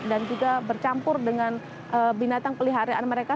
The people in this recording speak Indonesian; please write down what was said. dan juga bercampur dengan binatang peliharaan mereka